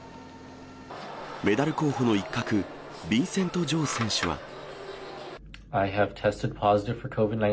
メダル候補の一角、ビンセント・ジョウ選手は。